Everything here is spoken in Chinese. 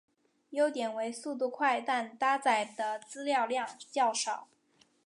优点为速度快但搭载的资料量较少。